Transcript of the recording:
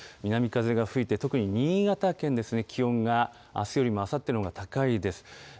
南風が吹いて、特に新潟県ですね、気温があすよりもあさってのほうが高いです。